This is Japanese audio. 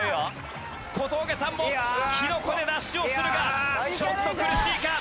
小峠さんもキノコでダッシュをするがちょっと苦しいか。